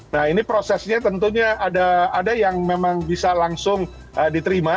nah ini prosesnya tentunya ada yang memang bisa langsung diterima